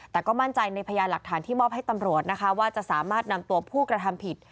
แต่ก็มั่นใจในพยานหลักฐานที่มอบให้ตำรวจนะคะว่าจะสามารถนำตัวผู้กระทำผิด